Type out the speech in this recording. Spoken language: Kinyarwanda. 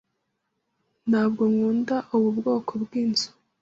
Ntabwo nkunda ubu bwoko bw'inzu.